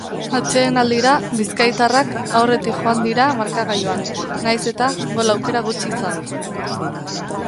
Atsedenaldira bizkaitarrak aurretik joan dira markagailuan, nahiz eta gol aukera gutxi izan.